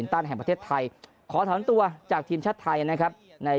ตันแห่งประเทศไทยขอถอนตัวจากทีมชาติไทยนะครับใน